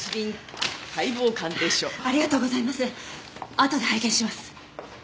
あとで拝見します。